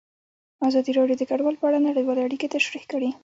ازادي راډیو د کډوال په اړه نړیوالې اړیکې تشریح کړي.